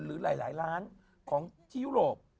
หรือหลายล้านของที่ยุโรป